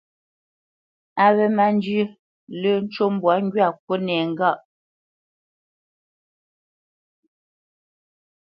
Á wé má njyə̄, lə́ ncú mbwǎ ŋgywâ kywítmâŋkɔʼ ŋgâʼ.